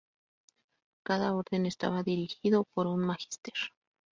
Cada orden estaba dirigido por un "magister".